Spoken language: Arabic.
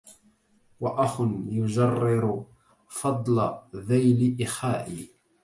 وأخ يجرر فضل ذيل إخائي